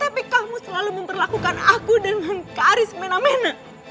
tapi kamu selalu memperlakukan aku dengan karis mena mena